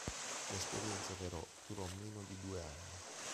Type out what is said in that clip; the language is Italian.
L'esperienza però durò meno di due anni.